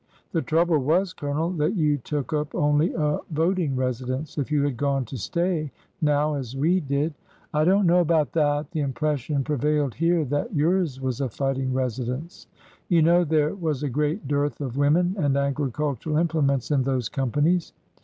The trouble was. Colonel, that you took up only a vot ing residence. If you had gone to stay, now, as we did " I don't know about that. The impression prevailed here that yours was a fighting residence. You know there was a great dearth of women and agricultural implements in those companies."